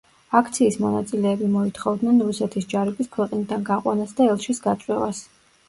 აქციის მონაწილეები მოითხოვდნენ რუსეთის ჯარების ქვეყნიდან გაყვანას და ელჩის გაწვევას.